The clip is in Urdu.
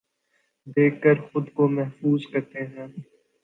دیکھ کر خود کو محظوظ کرتے ہیں